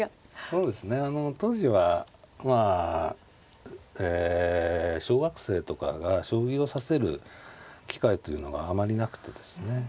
そうですね当時はまあえ小学生とかが将棋を指せる機会というのがあまりなくてですね。